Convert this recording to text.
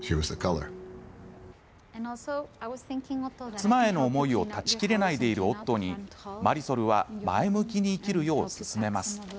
妻への思いを断ち切れないでいるオットーにマリソルは前向きに生きるよう勧めます。